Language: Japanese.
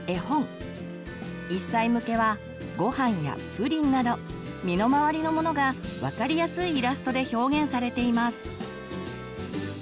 １歳向けは「ごはん」や「プリン」など身の回りのものが分かりやすいイラストで表現されています。